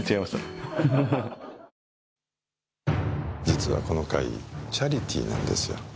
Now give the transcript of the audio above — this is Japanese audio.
実はこの会チャリティーなんですよ。